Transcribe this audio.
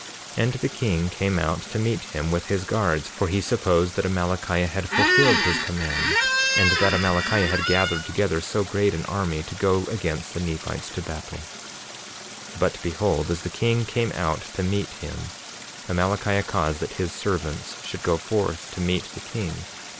47:21 And the king came out to meet him with his guards, for he supposed that Amalickiah had fulfilled his commands, and that Amalickiah had gathered together so great an army to go against the Nephites to battle. 47:22 But behold, as the king came out to meet him Amalickiah caused that his servants should go forth to meet the king.